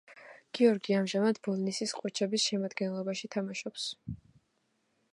გიორგი ამჟამად ბოლნისის „ყოჩების“ შემადგენლობაში თამაშობს.